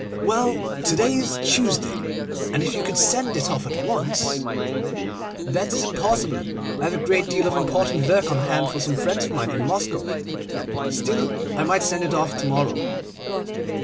'Well, to day is Tuesday, and if you could send it off at once—' 'That is impossible; I have a great deal of important work on hand for some friends of mine in Moscow. Still, I might send it off to morrow.